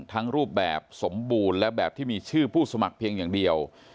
รูปแบบสมบูรณ์และแบบที่มีชื่อผู้สมัครเพียงอย่างเดียว